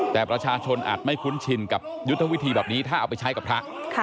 แต่ประชาชนอาจไม่คุ้นชินกับยุทธวิธีแบบนี้ถ้าเอาไปใช้กับพระ